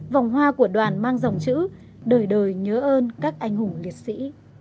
vòng hoa của đoàn mang dòng chữ đời đời nhớ ơn các anh hùng liệt sĩ